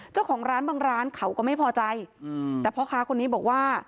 เจ้าของร้านบางร้านเขาก็ไม่พอใจแต่พ่อค้าคนนี้บอกว่า